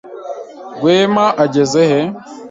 Rwema ageze he?